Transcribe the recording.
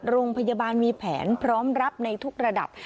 โรงพยาบาลมีแผนพร้อมรับในทุกระดับ